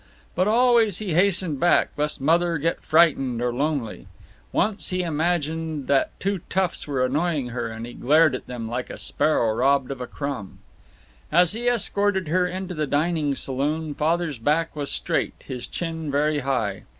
But always he hastened back, lest Mother get frightened or lonely. Once he imagined that two toughs were annoying her, and he glared at them like a sparrow robbed of a crumb. As he escorted her into the dining saloon Father's back was straight, his chin very high.